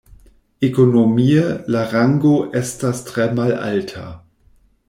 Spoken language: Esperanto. Ekonomie la rango estas tre malalta.